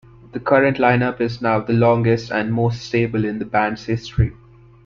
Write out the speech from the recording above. The current lineup is now the longest and most stable in the band's history.